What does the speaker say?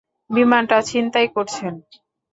বিমানটা ছিনতাই করছেন।